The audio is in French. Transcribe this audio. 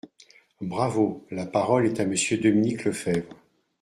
Bravo ! La parole est à Monsieur Dominique Lefebvre.